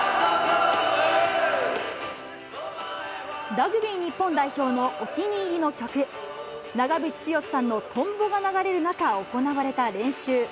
ラグビー日本代表のお気に入りの曲、長渕剛さんのとんぼが流れる中行われた練習。